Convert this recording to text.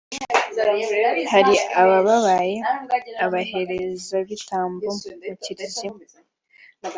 hari ababaye abaherezabitambo mu Kiliziya